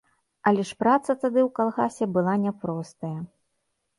Але ж праца тады ў калгасе была няпростая.